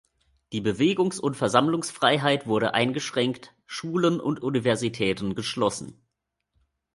Die Bewegungs- und Versammlungsfreiheit wurde eingeschränkt, Schulen und Universitäten geschlossen.